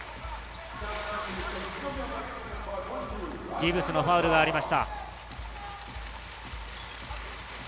ギブスのファウルがありました。